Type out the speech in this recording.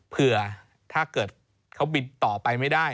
เผื่อถ้าเกิดเขาบินต่อไปไม่ได้